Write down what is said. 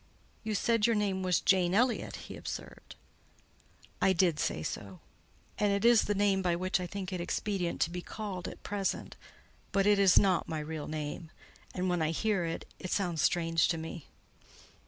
"You said your name was Jane Elliott?" he observed. "I did say so; and it is the name by which I think it expedient to be called at present, but it is not my real name, and when I hear it, it sounds strange to me."